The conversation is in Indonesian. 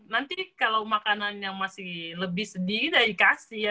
nanti kalau makanan yang masih lebih sedih dari kasih ya